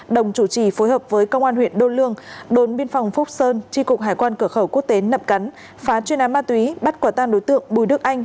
đồng chủ trì phối hợp với công an huyện đô lương đồn biên phòng phúc sơn tri cục hải quan cửa khẩu quốc tế nậm cắn phá chuyên án ma túy bắt quả tan đối tượng bùi đức anh